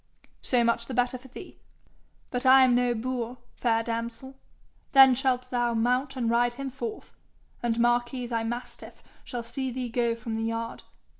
'So much the better for thee. But I am no boor, fair damsel. Then shalt thou mount and ride him forth, and Marquis thy mastiff shall see thee go from the yard.